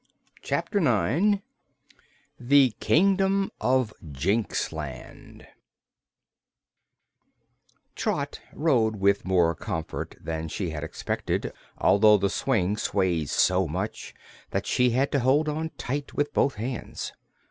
Chapter Nine The Kingdom of Jinxland Trot rode with more comfort than she had expected, although the swing swayed so much that she had to hold on tight with both hands.